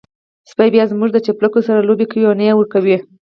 سپی بيا هم زموږ د چپلکو سره لوبې کوي او نه يې ورکوي.